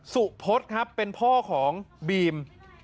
สุพศครับเป็นพ่อของบีม